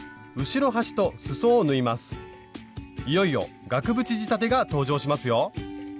いよいよ額縁仕立てが登場しますよ！